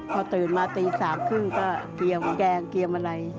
พอตื่นมาตีสามครึ่งก็เคียงแกงเคียงอะไร